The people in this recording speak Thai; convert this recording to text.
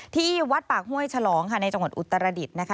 ที่วัดปากห้วยฉลองค่ะในจังหวัดอุตรดิษฐ์นะคะ